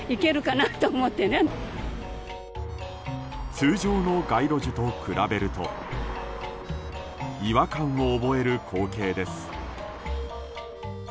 通常の街路樹と比べると違和感を覚える光景です。